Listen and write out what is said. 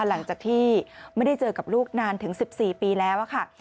หลังจากที่ไม่ได้เจอกับลูกนานถึง๑๔ปีแล้วค่ะ